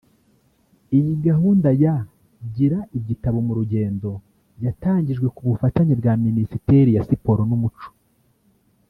Iyi gahunda ya “Gira igitabo mu Rugendo” yatangijwe ku bufatanye bwa minisiteri ya Siporo n’umuco